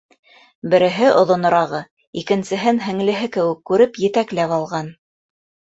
Береһе, оҙонорағы, икенсеһен, һеңлеһе кеүек күреп, етәкләп алған.